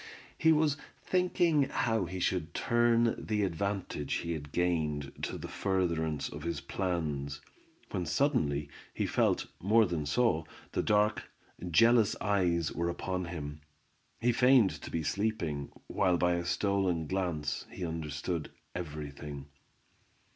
He was thinking how he should turn the advantage he had gained to the furtherance of his plans, when suddenly he felt, more than saw, that dark, jealous eyes were upon him. He feigned to be sleeping, while by a stolen glance he understood every thing.